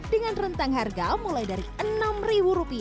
dengan rentang harga mulai dari rp enam